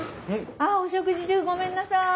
あっお食事中ごめんなさい。